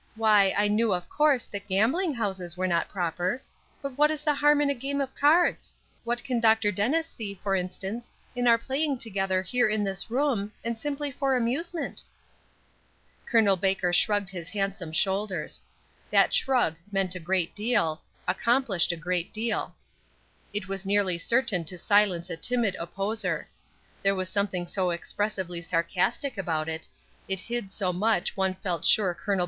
Why, I knew, of course, that gambling houses were not proper; but what is the harm in a game of cards? What can Dr. Dennis see, for instance, in our playing together here in this room, and simply for amusement?" Col. Baker shrugged his handsome shoulders. That shrug meant a great deal, accomplished a great deal. It was nearly certain to silence a timid opposer; there was something so expressively sarcastic about it; it hid so much one felt sure Col.